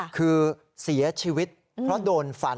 คือเสียชีวิตเพราะโดนฟัน